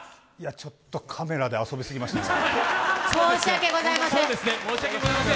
ちょっとカメラで遊びすぎましたね。